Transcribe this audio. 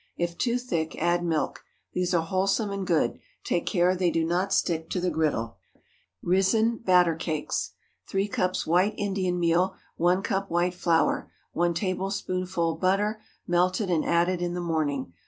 If too thick, add milk. These are wholesome and good. Take care they do not stick to the griddle. RISEN BATTER CAKES. 3 cups white Indian meal. 1 cup white flour. 1 tablespoonful butter, melted and added in the morning.